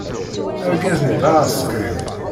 Argaz-nni d aɛsekriw.